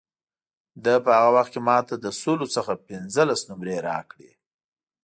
ده په هغه وخت کې ما ته له سلو څخه پنځلس نمرې راکړې.